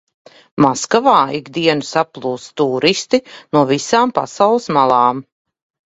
Maskavā ik dienu saplūst tūristi no visām pasaules malām.